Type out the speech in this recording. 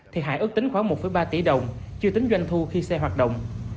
thiệt hại ước tính khoảng một ba tỷ đồng chưa tính doanh thu khi xe hoạt động